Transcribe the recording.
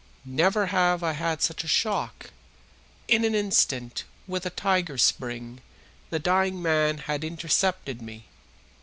Never have I had such a shock! In an instant, with a tiger spring, the dying man had intercepted me.